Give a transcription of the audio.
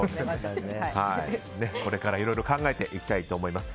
これから、いろいろ考えてきたいと思います。